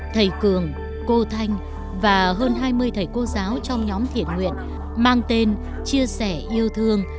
thầy cường cô thanh và hơn hai mươi thầy cô giáo trong nhóm thiện nguyện mang tên chia sẻ yêu thương